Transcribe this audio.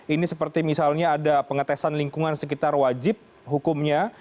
ini seperti misalnya ada pengetesan lingkungan sekitar wajib hukumnya